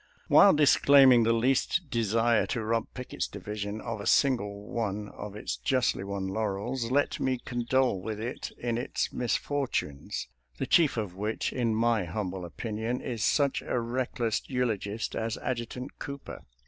While disclaiming the least desire to rob Pickett's division of a single one of its justly won laurels, let me condole with it in its mis fortunes, the chief of which, in my humble opin ion, is such a reckless eulogist as Adjutant Cooper.